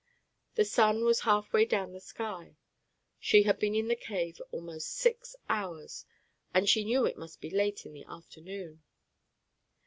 The sun was half way down the sky; she had been in the cave almost six hours, and she knew it must be late in the afternoon.